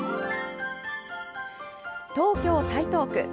東京・台東区。